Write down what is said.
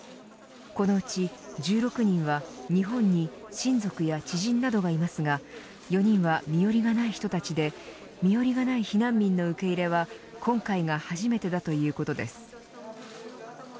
このうち１６人は日本に親族や知人などがいますが４人は身寄りがない人たちで身寄りがない避難民の受け入れは今回が初めてだということです。